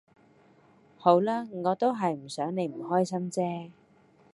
好啦我都係唔想你唔開心啫